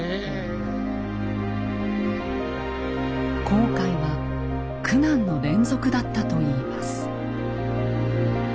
航海は苦難の連続だったといいます。